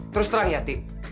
terus terang ya ti